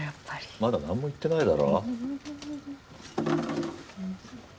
まだなんも言ってないだろ。